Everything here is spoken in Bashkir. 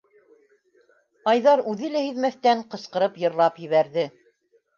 Айҙар, үҙе лә һиҙмәҫтән, ҡысҡырып йырлап ебәрҙе.